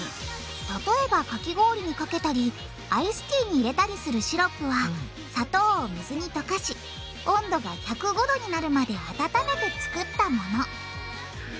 例えばかき氷にかけたりアイスティーに入れたりするシロップは砂糖を水に溶かし温度が１０５℃になるまで温めてつくったものへぇ。